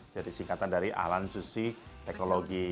jadi singkatan dari alan susi teknologi